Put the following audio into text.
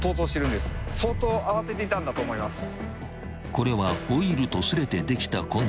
［これはホイールとすれてできた痕跡］